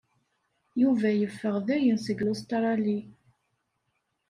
Yuba yeffeɣ dayen seg Lustṛali.